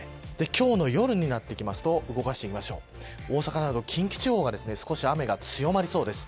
今日の夜になってきますと大阪など近畿地方は少し雨が強まりそうです。